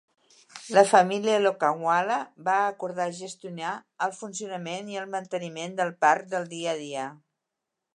La família Lokhandwala va acordar gestionar el funcionament i el manteniment del parc del dia a dia.